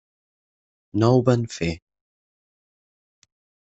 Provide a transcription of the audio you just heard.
No ho van fer.